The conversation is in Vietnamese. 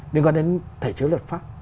đến gần đến thể chế luật pháp